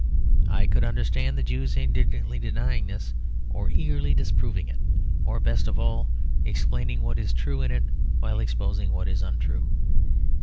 I could understand the Jews indignantly denying this, or eagerly disproving it, or best of all, explaining what is true in it while exposing what is untrue.